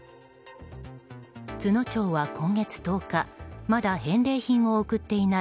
都農町は今月１０日まだ返礼品を送っていない